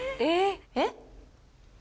えっ？